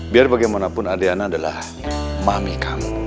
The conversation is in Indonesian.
biar bagaimanapun adriana adalah mami kami